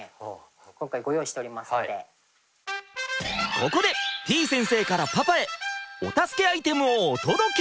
ここでてぃ先生からパパへお助けアイテムをお届け！